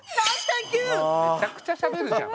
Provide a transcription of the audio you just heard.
めちゃくちゃしゃべるじゃん。